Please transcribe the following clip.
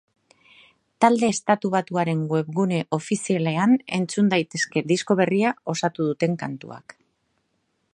Talde estatubatuaren webgune ofizialean entzun daitezke disko berria osatuko duten kantuak.